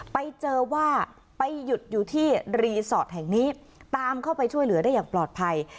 ไปเจอว่าไปหยุดอยู่ที่รีสอร์ทแห่งนี้ตามเข้าไปช่วยเหลือได้อย่างปลอดภัย